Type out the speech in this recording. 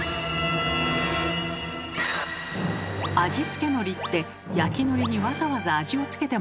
味付けのりって焼きのりにわざわざ味を付けてますよね。